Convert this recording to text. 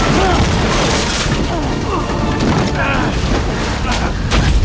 astaghfirullahaladzim putraku ya satu